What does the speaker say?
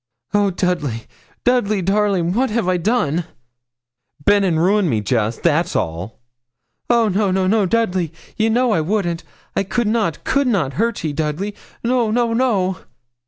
'Oh, Dudley, Dudley, darling! what have I done?' 'Bin and ruined me, jest that's all.' 'Oh! no, no, no, Dudley. Ye know I wouldn't. I could not could not hurt ye, Dudley. No, no, no!'